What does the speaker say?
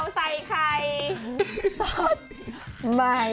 พี่เฮีย